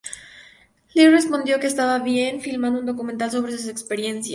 Lee respondió que estaba bien, filmando un documental sobre sus experiencias.